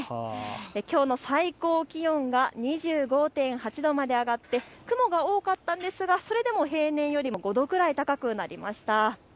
きょうの最高気温が２５．８度まで上がって雲が多かったんですがそれでも平年よりも５度ぐらい高くなりました。